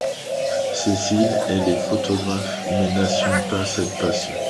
Cécile, elle, est photographe mais n'assume pas cette passion.